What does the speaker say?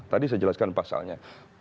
tadi saya jelaskan pasalnya